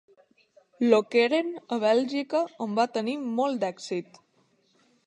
Lokeren, a Bèlgica, on va tenir molt d'èxit.